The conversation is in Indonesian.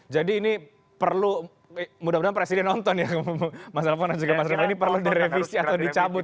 jadi ini perlu mudah mudahan presiden nonton ya mas alfon dan juga mas renard ini perlu direvisi atau dicabut